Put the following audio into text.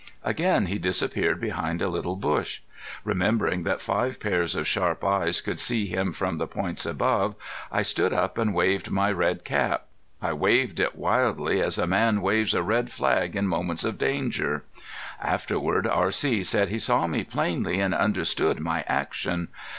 Again he disappeared behind a little bush. Remembering that five pairs of sharp eyes could see me from the points above I stood up and waved my red cap. I waved it wildly as a man waves a red flag in moments of danger. Afterward R.C. said he saw me plainly and understood my action.